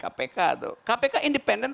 tapi dia tetap peralatan presiden